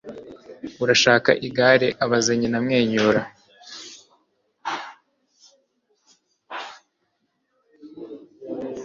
Urashaka igare? abaza nyina amwenyura.